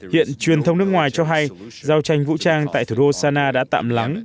hiện truyền thông nước ngoài cho hay giao tranh vũ trang tại thủ đô sana đã tạm lắng